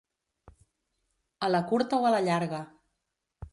A la curta o a la llarga.